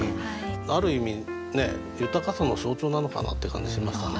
ある意味ね豊かさの象徴なのかなって感じしましたね。